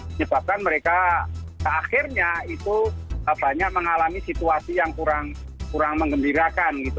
menyebabkan mereka akhirnya itu banyak mengalami situasi yang kurang mengembirakan gitu